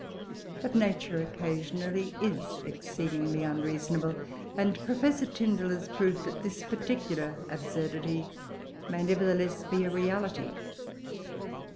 But nature occasionally is exceedingly unreasonable, and Professor Tyndall has proved that this particular absurdity may nevertheless be a reality.